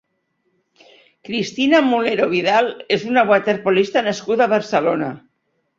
Cristina Mulero Vidal és una waterpolista nascuda a Barcelona.